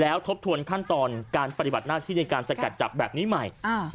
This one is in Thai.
แล้วทบทวนขั้นตอนการปฏิบัติหน้าที่ในการสกัดจับแบบนี้ใหม่